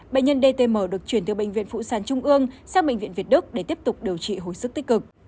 bệnh nhân dtm được chuyển từ bệnh viện phụ sản trung ương sang bệnh viện việt đức để tiếp tục điều trị hồi sức tích cực